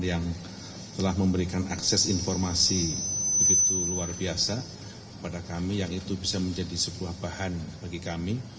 yang telah memberikan akses informasi begitu luar biasa kepada kami yang itu bisa menjadi sebuah bahan bagi kami